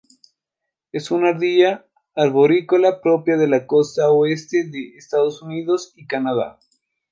Es una ardilla arborícola propia de la costa oeste de Estados Unidos y Canadá.